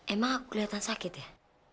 emang kelihatan sakit ya